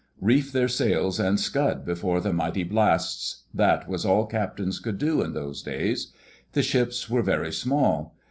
Reef their sails and scud before the mighty blasts — that was all captains could do in those days. The ships were very small.